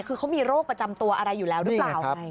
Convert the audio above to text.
คือเขามีโรคประจำตัวอะไรอยู่แล้วหรือเปล่าไง